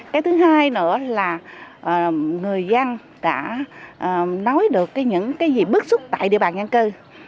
cái thứ hai nữa là người dân đã nói được những cái gì bức xúc tại địa bàn dân cư